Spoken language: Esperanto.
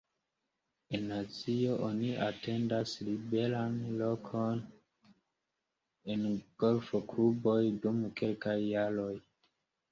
En Azio oni atendas liberan lokon en golfkluboj dum kelkaj jaroj.